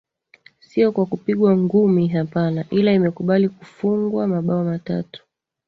sio kwa kupigwa ngumi hapana ila imekubali kufungwa mabao matatu